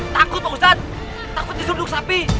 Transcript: takut pak ustadz takut disuduk sapi